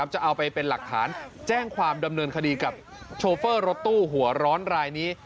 จะเอาไปเป็นหลักฐานแจ้งความดำเนินคดีกับโชเฟอร์รถตู้หัวร้อนรายนี้